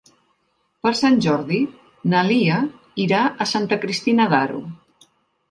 Per Sant Jordi na Lia irà a Santa Cristina d'Aro.